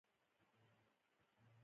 ذهن ولې باید پاک وي؟